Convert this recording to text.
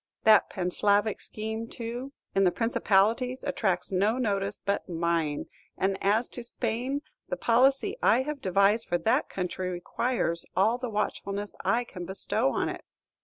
That Panslavic scheme, too, in the Principalities attracts no notice but mine; and as to Spain, the policy I have devised for that country requires all the watchfulness I can bestow on it.